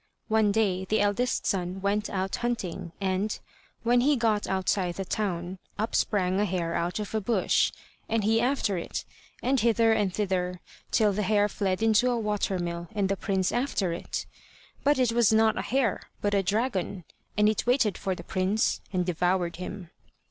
One day the eldest son went out hunting, and, when he got outside the town, up sprang a hare out of a bush, and he after it, and hither and thither, till the hare fled into a water mill, and the prince after it. But it was not a hare, but a dragon, and it waited for the prince and devoured him.